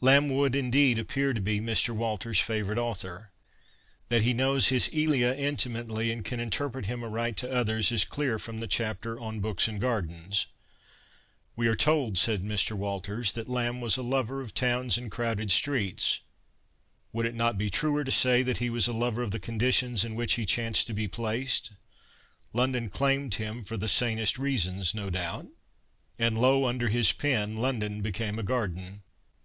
Lamb would, indeed, appear to be Mr. Walters's favourite author. That he knows his Elia intimately and can interpret him aright to others is clear from the chapter on ' Books and Gardens.' ' We are told,' says Mr. Walters, ' that Lamb was a lover of towns and crowded streets. Would it not be truer to say that he was a lover of the conditions in which he chanced to be placed ? London claimed him — for the sanest reasons, no doubt — and, lo ! under his pen, London became a garden.'